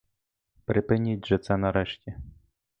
Припиніть же це нарешті.